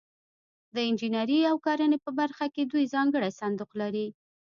د انجنیري او کرنې په برخه کې دوی ځانګړی صندوق لري.